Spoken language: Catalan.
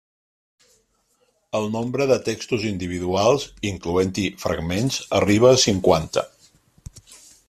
El nombre de textos individuals, incloent-hi fragments, arriba a cinquanta.